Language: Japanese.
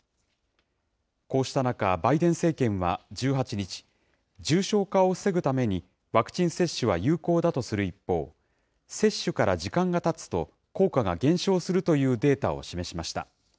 こうした中、バイデン政権は１８日、重症化を防ぐためにワクチン接種は有効だとする一方、接種から時間がたつと、効果が減少するというデータを示しました。